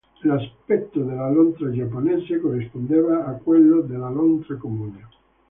L'aspetto della lontra giapponese corrispondeva a quello della lontra comune.